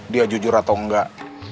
dia jujur atau enggak